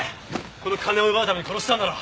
この金を奪うために殺したんだろ。